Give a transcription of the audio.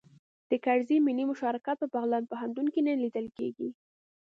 د کرزي ملي مشارکت په بغلان پوهنتون کې نه لیدل کیږي